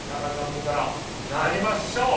君から参りましょう。